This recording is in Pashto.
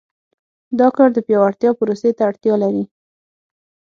دا کار د پیاوړتیا پروسې ته اړتیا لري.